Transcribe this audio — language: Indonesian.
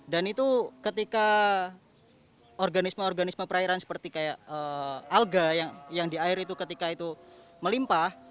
dan itu ketika organisme organisme perairan seperti kayak alga yang di air itu ketika itu melimpah